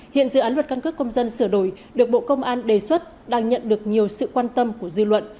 hiện dự án luật căn cước công dân sửa đổi được bộ công an đề xuất đang nhận được nhiều sự quan tâm của dư luận